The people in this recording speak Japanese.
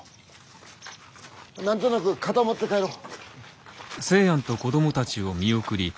何となく固まって帰ろう。